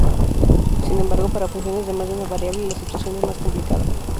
Sin embargo, para funciones de más de una variable la situación es más complicada.